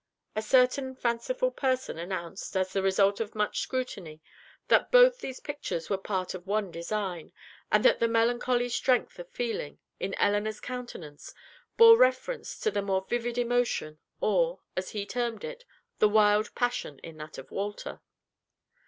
A certain fanciful person announced, as the result of much scrutiny, that both these pictures were parts of one design, and that the melancholy strength of feeling, in Elinor's countenance, bore reference to the more vivid emotion, or, as he termed it, the wild passion, in that of Walter.